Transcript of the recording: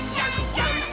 ジャンプ！！